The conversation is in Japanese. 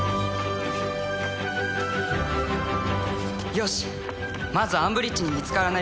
よしまずアンブリッジに見つからない